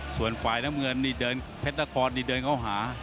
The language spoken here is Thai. ส่วนฝ่ายน้ำเงินนี่เดินเพชรนครนี่เดินเข้าหา